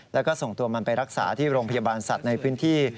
แล้วก็ส่งตัวมันไปรักษาที่โรงพยาบาลสัตว์ในพื้นที่